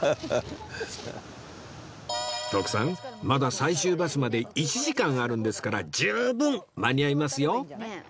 まだ最終バスまで１時間あるんですから十分間に合いますよ